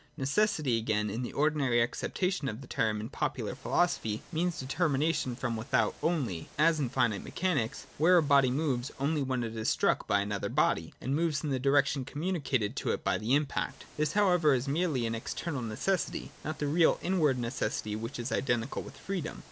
Necessity, again, in the ordinary! acceptation of the term in popular philosophy, means deter J mination from without only, —as in finite mechanics, where! a body moves only when it is struck by another body, and moves in the direction communicated to it by the impact. This however is a merely external necessity, not the real inward necessity which is identical with freedom.